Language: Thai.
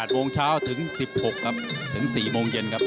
โมงเช้าถึง๑๖ครับถึง๔โมงเย็นครับ